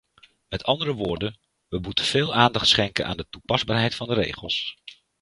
Met andere woorden, we moeten veel aandacht schenken aan de toepasbaarheid van de regels.